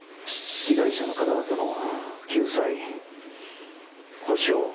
被害者の方々の救済・補償。